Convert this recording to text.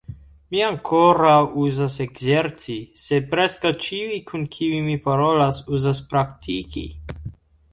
Mi ankoraŭ uzas ekzerci, sed preskaŭ ĉiuj kun kiuj mi parolas uzas praktiki.